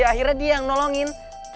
akhirnya dia yang nolongin